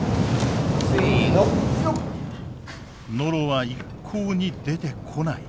ノロは一向に出てこない。